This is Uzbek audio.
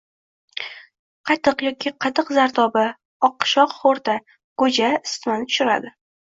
Qatiq yoki qatiq zardobi, oqishoq xo‘rda, go‘ja isitmani tushiradi.